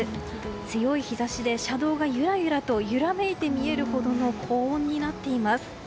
強い日差しで、車道がゆらゆらと揺らめいて見えるほどの高温になっています。